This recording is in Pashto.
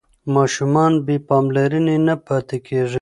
ماشومان بې پاملرنې نه پاتې کېږي.